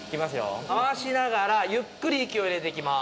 回しながらゆっくり息を入れていきます。